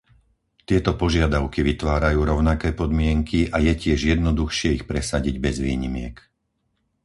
Tieto požiadavky vytvárajú rovnaké podmienky a je tiež jednoduchšie ich presadiť bez výnimiek.